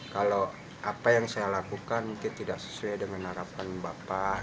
kalau apa yang saya lakukan mungkin tidak sesuai dengan harapan bapak